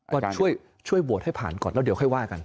ก็ช่วยโหวตให้ผ่านก่อนแล้วเดี๋ยวค่อยว่ากัน